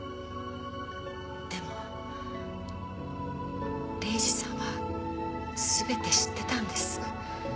でも礼司さんはすべて知ってたんです。